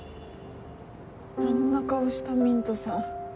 あんな顔したミントさん